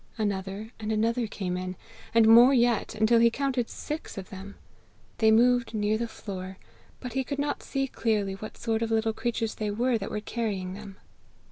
Another and another came in, and more yet, until he counted six of them. They moved near the floor, but he could not see clearly what sort of little creatures they were that were carrying them.